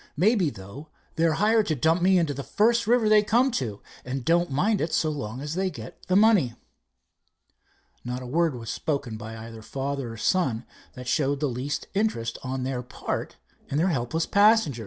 Maybe, though, they're hired to dump me into the first river they come to, and don't mind it so long as they get the money." Not a word was spoken by either father or son that showed the least interest on their part in their helpless passenger.